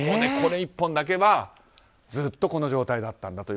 この１本だけはずっとこの状態だったと。